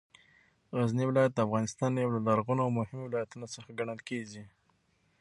غزنې ولایت د افغانستان یو له لرغونو او مهمو ولایتونو څخه ګڼل کېږې